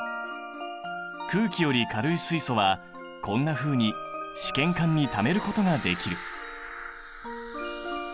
空気より軽い水素はこんなふうに試験管にためることができる。